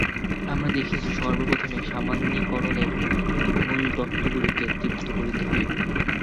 আমরা দেখিয়াছি, সর্বপ্রথমে সামান্যীকরণের মূলতত্ত্বগুলিকে তৃপ্ত করিতে হইবে।